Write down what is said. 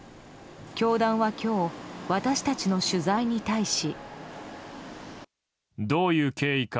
教団は今日私たちの取材に対し。